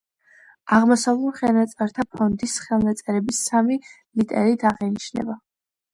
აღმოსავლურ ხელნაწერთა ფონდის ხელნაწერები სამი ლიტერით აღინიშნება.